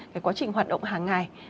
cái quá trình hoạt động hàng ngày